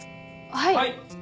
はい！